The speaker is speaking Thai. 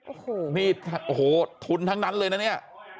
โอ้โหนี่โอ้โหทุนทั้งนั้นเลยนะเนี่ย